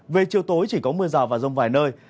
về chiều tối chỉ có mưa rào và rông vài nơi